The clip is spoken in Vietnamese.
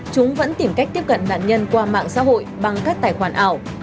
chúng vẫn tìm cách tiếp cận nạn nhân qua mạng xã hội bằng các tài khoản ảo